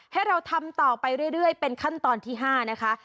ให้เราทำต่อไปเรื่อยเป็นขั้นตอนที่๕นะคะ